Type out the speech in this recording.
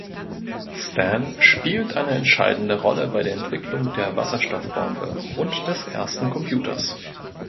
Stan spielt eine entscheidende Rolle bei der Entwicklung der Wasserstoffbombe und des ersten Computers.